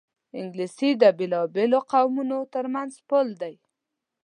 انګلیسي د بېلابېلو قومونو ترمنځ پُل دی